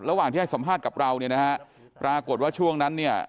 ระหว่างที่ให้สัมภาษณ์กับเราเนี่ยนะฮะปรากฏว่าช่วงนั้นเนี่ย